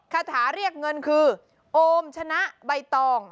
คาถาเรียกเงินคือโอมชนะใบตอง